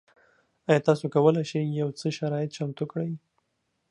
ایا تاسو کولی شئ یو څه شرایط چمتو کړئ؟